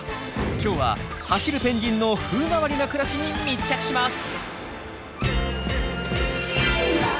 今日は走るペンギンの風変わりな暮らしに密着します。